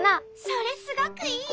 それすごくいい。